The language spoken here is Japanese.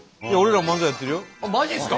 マジっすか？